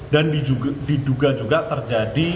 dan diduga juga terjadi